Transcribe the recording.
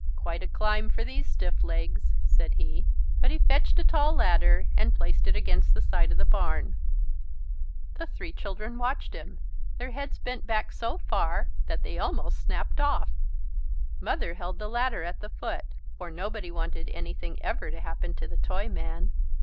"Quite a climb for these stiff legs," said he. But he fetched a tall ladder and placed it against the side of the barn. The three children watched him, their heads bent back so far that they almost snapped off. Mother held the ladder at the foot, for nobody wanted anything ever to happen to the Toyman.